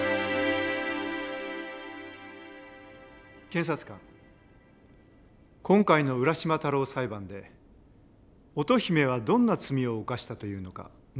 検察官今回の「浦島太郎」裁判で乙姫はどんな罪を犯したというのか述べて下さい。